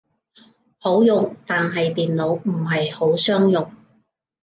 好用，但係電腦唔係好相容